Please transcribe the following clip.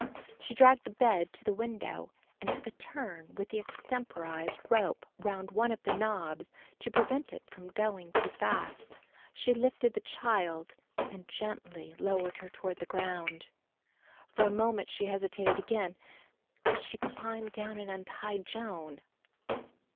She dragged the bed to the window and took a turn with the extemporised rope round one of the knobs to prevent it going too fast. She lifted the child and gently lowered her toward the ground. For a moment she hesitated again. "Could she climb down and untie Joan?"